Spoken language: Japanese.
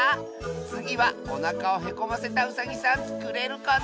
つぎはおなかをへこませたウサギさんつくれるかな？